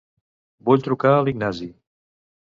Vull trucar a l'Ignasi.